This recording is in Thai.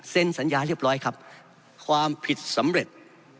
สัญญาเรียบร้อยครับความผิดสำเร็จ